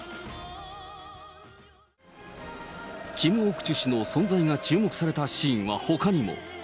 キム・オクチュ氏の存在が注目されたシーンはほかにも。